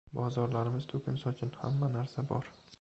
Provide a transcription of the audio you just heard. Bozorlarimiz to‘kin-sochin, hamma narsa bor.